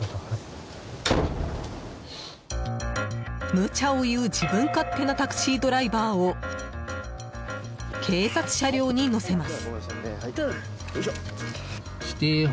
無茶を言う自分勝手なタクシードライバーを警察車両に乗せます。